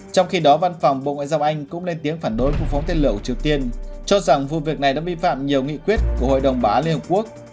trong khi đó văn phòng bộ ngoại giao anh cũng lên tiếng phản đối vụ phóng tên lửa của triều tiên cho rằng vụ việc này đã bi phạm nhiều nghị quyết của hội đồng bá liên hợp quốc